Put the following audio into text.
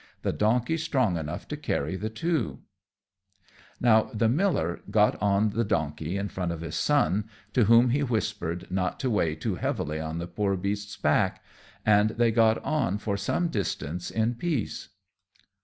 The donkey's strong enough to carry the two." [Illustration: The Burdened Beast.] Now the miller got on the donkey in front of his son, to whom he whispered not to weigh too heavily on the poor beast's back, and they got on for some distance in peace.